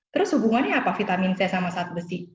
terus hubungannya apa vitamin c sama sat besi